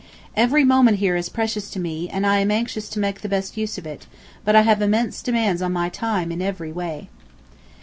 Every moment here is precious to me and I am anxious to make the best use of it, but I have immense demands on my time in every way.